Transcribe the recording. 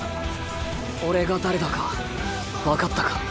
俺が誰だか分かったか？